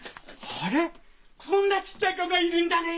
あれこんなちっちゃい子がいるんだね